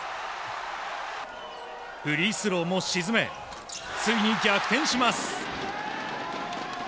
フリースローも沈めついに逆転します。